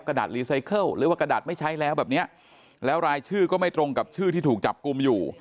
ดาดรีไซเคิลหรือว่ากระดาษไม่ใช้แล้วแบบเนี้ยแล้วรายชื่อก็ไม่ตรงกับชื่อที่ถูกจับกลุ่มอยู่